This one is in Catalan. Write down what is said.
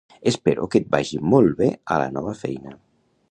Espero que et vagi molt bé a la nova feina